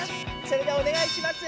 それではおねがいします。